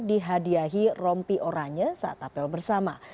dihadiahi rompi oranye saat apel bersama